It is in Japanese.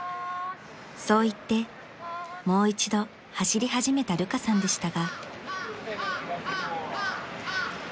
そう言ってもう一度走り始めたルカさんでしたが］